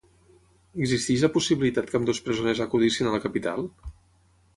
Existeix la possibilitat que ambdós presoners acudissin a la capital?